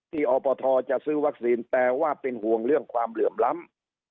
อปทจะซื้อวัคซีนแต่ว่าเป็นห่วงเรื่องความเหลื่อมล้ำ